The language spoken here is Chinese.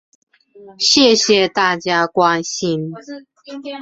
谢谢大家关心